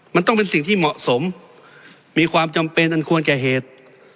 มันต้องเป็นสิ่งที่เหมาะสมมีความจำเป็นอันควรแก่เหตุ